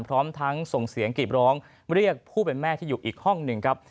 พร้อมทั้งส่งเสียงกรีบร้องเรียกผู้เป็นแม่ที่อยู่อีกห้องหนึ่งครับ